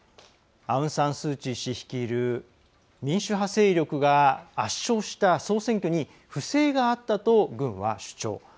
アウン・サン・スー・チー氏率いる民主派勢力が圧勝した総選挙に不正があったと軍は主張。